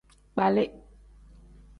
Kpali.